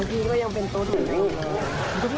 สุดท้ายของท่านก็คือว่า